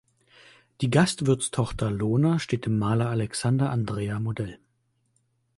Die Gastwirtstochter Lona steht dem Maler Alexander Andrea Modell.